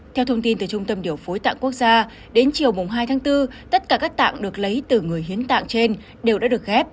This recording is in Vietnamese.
theo thông tin từ trung tâm điều phối tạng quốc gia đến chiều hai tháng bốn tất cả các tạng được lấy từ người hiến tạng trên đều đã được ghép